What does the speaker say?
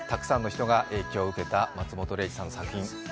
たくさんの人が影響を受けた松本零士さんの作品